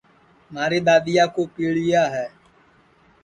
مھاری دؔادؔیا کُو پیݪیا ہے